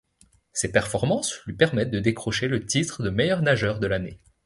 Ces performances lui permettent de décrocher le titre de meilleur nageur de l'année.